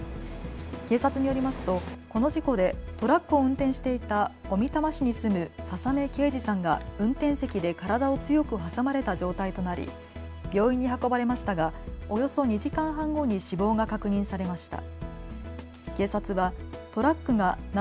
警察によりますとこの事故でトラックを運転していた小美玉市に住む笹目啓治さんが運転席で体を強く挟まれた状態となり、病院に運ばれましたがおよそ２時間半後に死亡が確認されました。